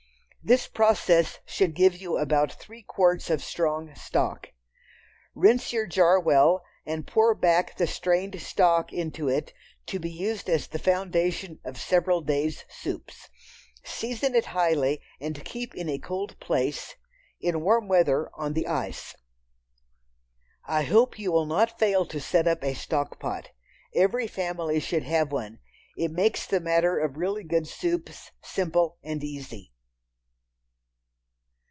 This process should give you about three quarts of strong "stock." Rinse your jar well and pour back the strained stock into it to be used as the foundation of several days' soups. Season it highly and keep in a cold place—in warm weather on the ice. I hope you will not fail to set up a "stock pot." Every family should have one. It makes the matter of really good soups simple and easy.